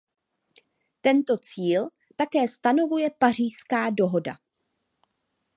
Tento cíl také stanovuje Pařížská dohoda.